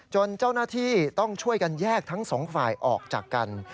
เจ้าหน้าที่ต้องช่วยกันแยกทั้งสองฝ่ายออกจากกัน